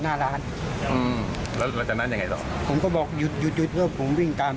ทำด้านนี้ครับ